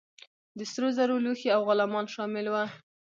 د سرو زرو لوښي او غلامان شامل وه.